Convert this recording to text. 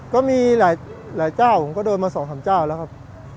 ก็มีหลายเจ้าผมก็โดนมา๒๓เจ้าแล้วครับ